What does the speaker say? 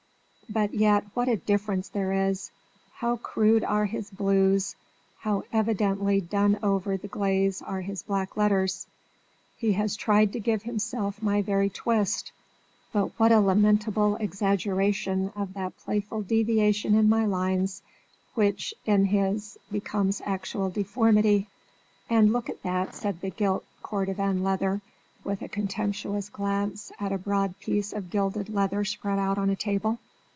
But yet what a difference there is! How crude are his blues! how evidently done over the glaze are his black letters! He has tried to give himself my very twist; but what a lamentable exaggeration of that playful deviation in my lines which in his becomes actual deformity!" "And look at that," said the gilt Cordovan leather, with a contemptuous glance at a broad piece of gilded leather spread out on a table.